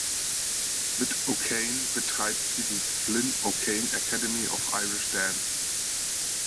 Mit O'Kane betreibt sie die Flynn-O'Kane Academy of Irish Dance.